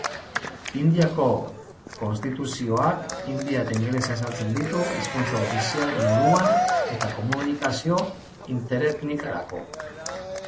Indiako konstituzioak hindia eta ingelesa ezartzen ditu hizkuntza ofizial moduan eta komunikazio interetnikarako.